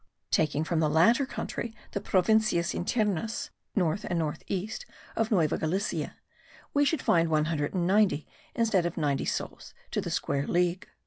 Taking from the latter country the Provincias internas (north and north east of Nueva Galicia) we should find 190 instead of 90 souls to the square league.